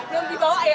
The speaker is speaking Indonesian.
di bawah ya